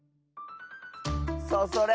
そうそれ！